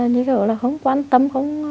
như kiểu là không quan tâm